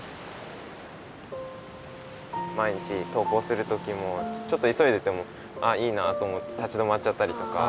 毎日とう校するときもちょっといそいでても「あいいな」と思って立ち止まっちゃったりとか。